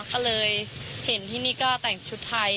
ก็เลยเห็นที่นี่ก็แต่งชุดไทย